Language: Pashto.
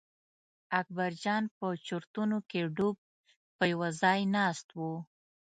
اکبرجان په چورتونو کې ډوب په یوه ځای ناست و.